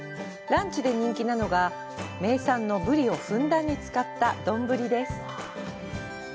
ランチで人気なのが、名産のブリをふんだんに使った丼です。